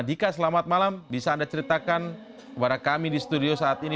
dika selamat malam bisa anda ceritakan kepada kami di studio saat ini